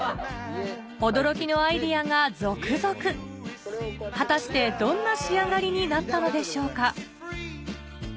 驚きのアイデアが続々果たしてどんな仕上がりになったのでしょうか？